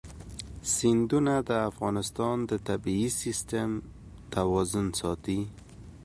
سیندونه د افغانستان د طبعي سیسټم توازن ساتي.